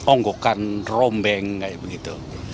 ongkokan rombeng seperti itu